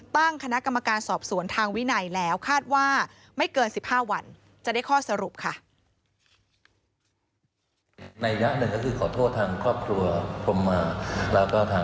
ตั้งคณะกรรมการสอบสวนทางวินัยแล้วคาดว่าไม่เกิน๑๕วันจะได้ข้อสรุปค่ะ